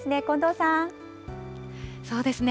そうですね。